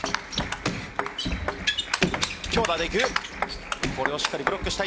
強打でいく。